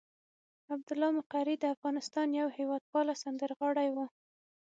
عبدالله مقری د افغانستان یو هېواد پاله سندرغاړی وو.